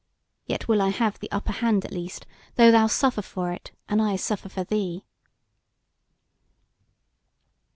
Yet will I have the upper hand at least, though thou suffer for it, and I suffer for thee."